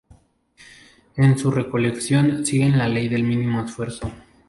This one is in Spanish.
En su recolección siguen la "ley del mínimo esfuerzo".